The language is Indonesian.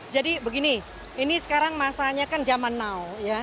jadi begini ini sekarang masanya kan zaman now